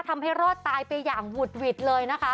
ทำให้รอดตายไปอย่างหุดหวิดเลยนะคะ